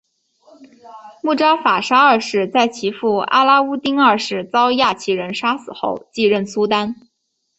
慕扎法沙二世在其父阿拉乌丁二世遭亚齐人杀死后继任苏丹。